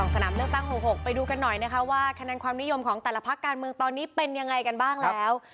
สนามเลือกตั้ง๖๖ไปดูกันหน่อยนะคะว่าคะแนนความนิยมของแต่ละพักการเมืองตอนนี้เป็นยังไงกันบ้างแล้ว